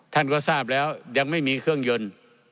ท่านก็ทราบแล้วยังไม่มีเครื่องยนต์